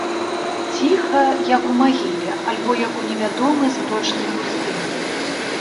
Ціха, як у магіле альбо як у невядомай змрочнай пустыні.